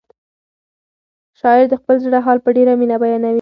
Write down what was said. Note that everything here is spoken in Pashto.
شاعر د خپل زړه حال په ډېره مینه بیانوي.